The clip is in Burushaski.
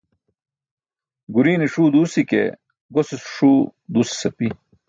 Guriine ṣuu duuśi ke gose ṣuu duusas api.